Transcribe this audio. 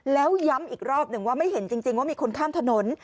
แล้วย้ำอีกรอบหนึ่งว่าไม่เห็นจริงว่ามีคนข้ามถนน